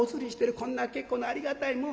こんな結構なありがたいもん」。